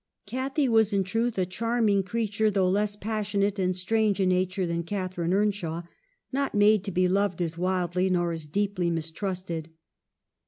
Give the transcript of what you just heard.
Cathy was in truth a charming creature, though less passionate and strange a nature than Cath arine Earnshaw, not made to be loved as wildly nor as deeply mistrusted.